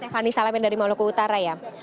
fani salam yang dari maluku utara ya